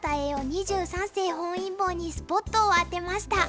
二十三世本因坊にスポットを当てました。